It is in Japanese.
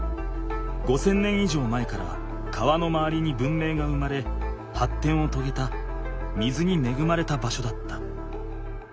５，０００年以上前から川のまわりに文明が生まれはってんをとげた水にめぐまれた場所だった。